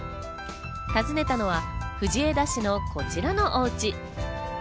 訪ねたのは藤枝市のこちらのお家。